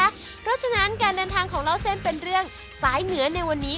เพราะฉะนั้นการเดินทางของเล่าเส้นเป็นเรื่องสายเหนือในวันนี้